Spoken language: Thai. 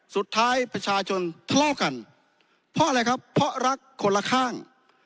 สุดท้ายประชาชนทะเลาะกันเพราะอะไรครับเพราะรักคนละข้าง